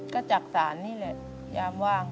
ก็จากศาลนี่แหละยามว่าง